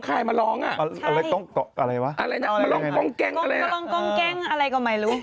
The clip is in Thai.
คลายมาลองอ่ะอะไรวะอะไรวะอะไรก็ไม่รู้